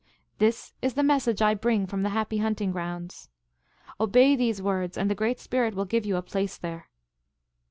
" This is the message I bring from the happy hunt ing grounds. Obey these words, and the Great Spirit will give you a place there."